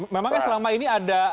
memangnya selama ini ada